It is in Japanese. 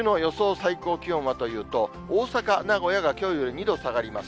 最高気温はというと、大阪、名古屋がきょうより２度下がります。